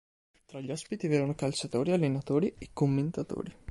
Tra gli ospiti vi erano calciatori, allenatori e commentatori.